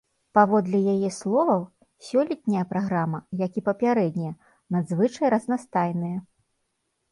Паводле яе словаў, сёлетняя праграма, як і папярэднія, надзвычай разнастайныя.